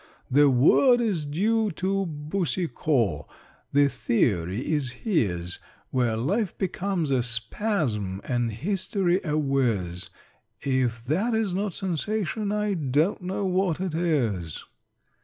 "The word is due to Boucicault The theory is his, Where Life becomes a Spasm, And History a Whiz: If that is not Sensation, I don't know what it is.